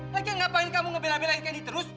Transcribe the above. lagi ngapain kamu ngebela belain candy terus